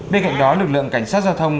bên cạnh đó lực lượng cảnh sát giao thông